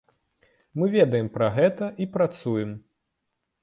Мы ведаем пра гэта і працуем.